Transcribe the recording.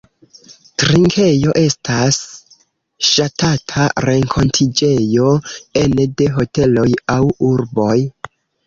Trinkejo estas ŝatata renkontiĝejo ene de hoteloj aŭ urboj.